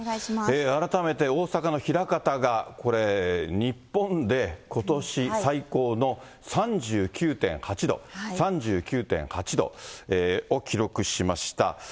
改めて大阪の枚方がこれ、日本でことし最高の３９．８度、３９．８度を記録しました。